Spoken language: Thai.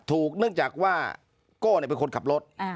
ถูกนึกจากว่าโก้เนี่ยเป็นคนขับรถ